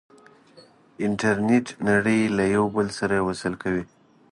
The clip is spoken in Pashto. انټرنیټ نړۍ له یو بل سره وصل کوي.